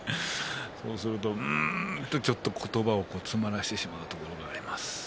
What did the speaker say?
そうするとうーんと言葉を詰まらせてしまうところがあります。